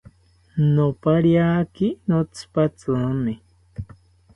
Nopariaki notzipatzimi